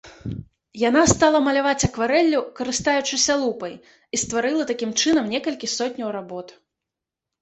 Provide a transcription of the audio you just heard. Яна стала маляваць акварэллю, карыстаючыся лупай, і стварыла такім чынам некалькі сотняў работ.